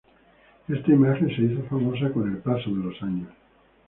Esta imagen se hizo famosa con el paso de los años.